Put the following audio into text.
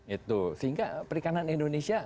itu sehingga perikanan indonesia